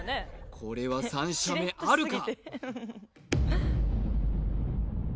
これは３射目あるか？